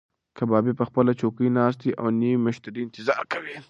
کبابي په خپله چوکۍ ناست دی او د نوي مشتري انتظار کوي.